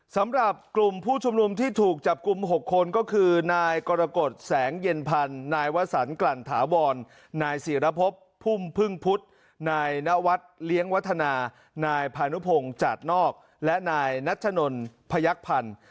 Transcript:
สำหรับกลุ่มผู้ชุมนุมที่ถูกจับกลุ่ม๖คนก็คือนายกรกฎแสงเย็นพันธ์นายวสันกลั่นถาวรนายศิรพบพุ่มพึ่งพุทธนายนวัฒน์เลี้ยงวัฒนานายพานุพงศ์จัดนอกและนายนัชนนพยักพันธ์